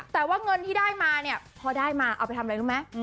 แต่ว่าเงินที่ได้มาเนี่ยพอได้มาเอาไปทำอะไรรู้ไหม